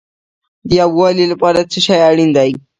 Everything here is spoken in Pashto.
د یووالي لپاره څه شی اړین دی؟